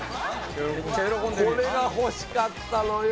これが欲しかったのよ